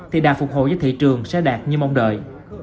thì đà phục hội cho thị trường sẽ đạt như mong đợi